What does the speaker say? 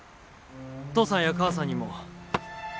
父さんや母さんにも。